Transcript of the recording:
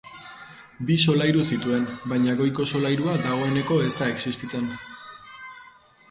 Bi solairu zituen baina goiko solairua dagoeneko ez da existitzen.